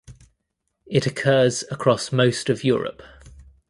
It occurs across most of Europe.